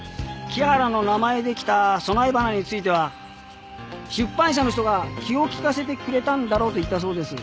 木原の名前で来た供え花については出版社の人が気を利かせてくれたんだろうと言ったそうです。